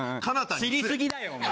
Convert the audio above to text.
知り過ぎだよ！